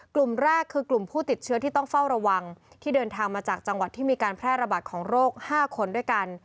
กลุ่มแรกคือกลุ่มผู้ติดเชื้อที่ต้องเฝ้าระวังที่เดินทางมาจากจังหวัดที่มีการแพร่ระบาดของโรค๕คนด้วยกัน